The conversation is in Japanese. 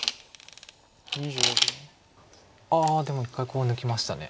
ああでも一回コウ抜きました。